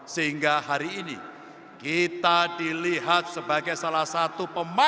sehingga hari ini kita dilihat sebagai salah satu pemain